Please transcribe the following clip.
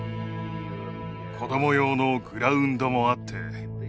子ども用のグラウンドもあって